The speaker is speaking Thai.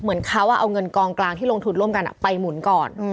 เหมือนเขาเอาเงินกองกลางที่ลงทุนร่วมกันไปหมุนก่อน